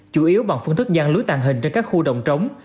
chủ yếu bằng phương thức gian lưới tàng hình trên các khu đồng trống